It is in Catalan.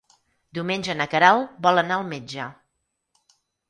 Diumenge na Queralt vol anar al metge.